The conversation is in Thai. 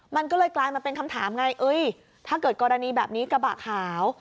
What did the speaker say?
มันก็เลยกลายมาเป็นคำถามไงถ้าเกิดกรณีแบบนี้กระบะขาว